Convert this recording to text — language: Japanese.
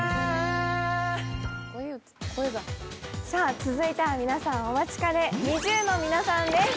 続いては皆さんお待ちかね、ＮｉｚｉＵの皆さんです。